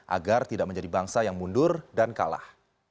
agar tidak menjadi bangsa yang mundur dan kalah